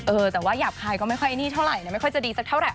เออแต่ว่าหยาบคายก็ไม่ค่อยนี่เท่าไหร่นะไม่ค่อยจะดีสักเท่าไห